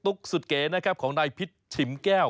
สุดเก๋นะครับของนายพิษฉิมแก้ว